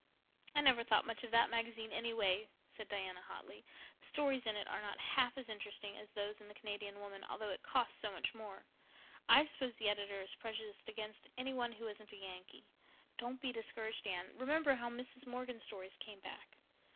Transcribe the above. "I never thought much of that magazine, anyway," said Diana hotly. "The stories in it are not half as interesting as those in the Canadian Woman, although it costs so much more. I suppose the editor is prejudiced against any one who isn't a Yankee. Don't be discouraged, Anne. Remember how Mrs. Morgan's stories came back.